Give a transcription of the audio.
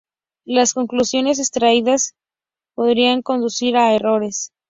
Las conclusiones extraídas podrían conducir a errores.